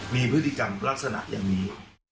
มีพฤติกรรมลักษณะอย่างนี้